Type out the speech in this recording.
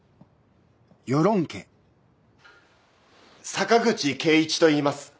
坂口圭一といいます。